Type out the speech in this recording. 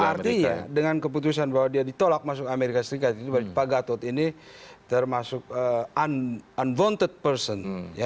artinya dengan keputusan bahwa dia ditolak masuk amerika serikat pak gatot ini termasuk unvonted person